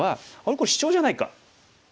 これシチョウじゃないか。